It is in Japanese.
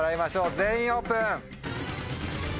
全員オープン！